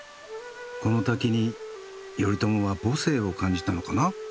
この滝に頼朝は母性を感じたのかな。